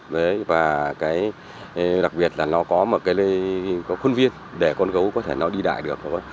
và đặc biệt là nó có một cái khuôn viên để con gấu có thể nó đi đại được